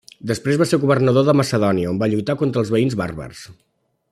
Després va ser governador de Macedònia on va lluitar contra els veïns bàrbars.